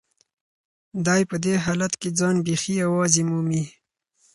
دی په دې حالت کې ځان بیخي یوازې مومي.